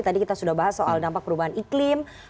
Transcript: tadi kita sudah bahas soal dampak perubahan iklim